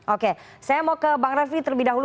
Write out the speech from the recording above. oke saya mau ke bang refli terlebih dahulu